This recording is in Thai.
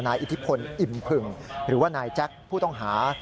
อิทธิพลอิ่มผึ่งหรือว่านายแจ็คผู้ต้องหา